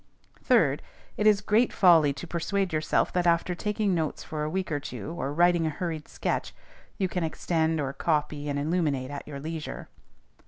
Third, It is great folly to persuade yourself that after taking notes for a week or two, or writing a hurried sketch, you can extend or copy and illuminate at your leisure.